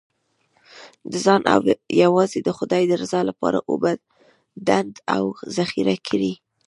د ځان او یوازې د خدای د رضا لپاره اوبه ډنډ او ذخیره کړئ.